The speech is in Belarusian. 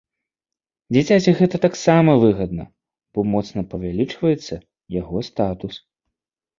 Дзіцяці гэта таксама выгадна, бо моцна павялічваецца яго статус.